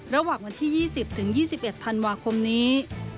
ระหว่างวันที่๒๐ถึง๒๑ธันวาคมนี้